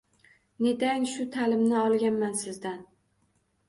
Netay shu talimni olganman sizdan